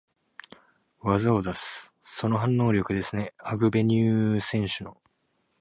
技を出す、その反応力ですね、アグベニュー選手の。